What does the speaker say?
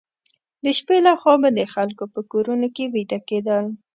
د شپې لخوا به د خلکو په کورونو کې ویده کېدل.